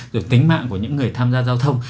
rồi tính mạng của những người tham gia giao thông